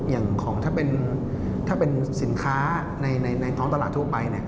อย่างของถ้าเป็นสินค้าในท้องตลาดทั่วไป